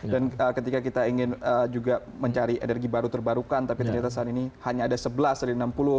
dan ketika kita ingin juga mencari energi baru terbarukan tapi ternyata saat ini hanya ada sebelas dari enam puluh enam